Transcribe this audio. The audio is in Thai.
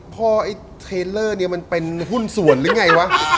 พ่อเทลเลอร์เป็นหุ้นส่วนหรือไง